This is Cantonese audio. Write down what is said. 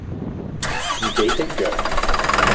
自己的弱